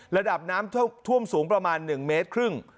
ระดับน้ำท่วมสูงประมาณ๑เมตรครึ่ง